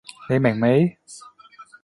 你明未？